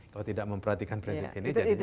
kalau tidak memperhatikan prinsip ini